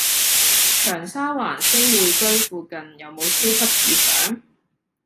長沙灣星匯居附近有無超級市場？